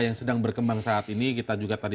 yang sedang berkembang saat ini kita juga tadi